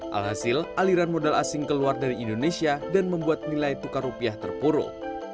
alhasil aliran modal asing keluar dari indonesia dan membuat nilai tukar rupiah terpuruk